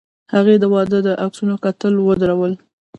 هغې د واده د عکسونو کتل ودرول.